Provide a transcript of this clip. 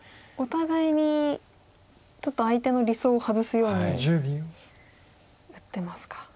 お互いにちょっと相手の理想を外すように打ってますか。